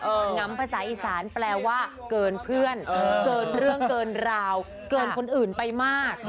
งำภาษาอีสานแปลว่าเกินเพื่อนเกินเรื่องเกินราวเกินคนอื่นไปมาก